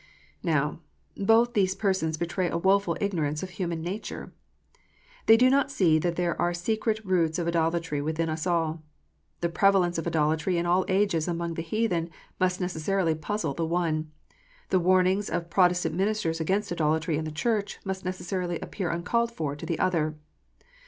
Now, both these persons betray a woful ignorance of human nature. They do not see that there are secret roots of idolatry within us all. The prevalence of idolatry in all ages among the heathen must necessarily puzzle the one, the warnings of Protest ant ministers against idolatry in the Church must necessarily appear uncalled for to the other.